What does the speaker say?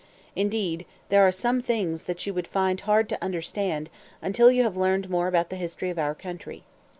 Indeed, there are some things that you would find hard to understand until you have learned more about the history of our country.